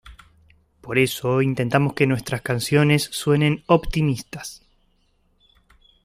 Por eso intentamos que nuestras canciones suenen optimistas.